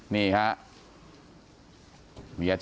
นี่ครับ